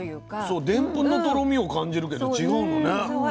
そうでんぷんのとろみを感じるけど違うのね。そう。